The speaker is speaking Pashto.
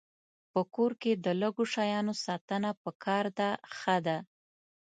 په کور کې د لږو شیانو ساتنه پکار ده ښه ده.